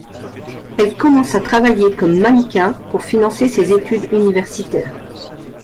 Elle commence à travailler comme mannequin pour financer ses études universitaires.